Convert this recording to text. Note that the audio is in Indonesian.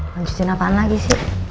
lanjutin apaan lagi sih